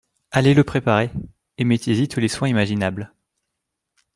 Allez le préparer… et mettez-y tous les soins imaginables…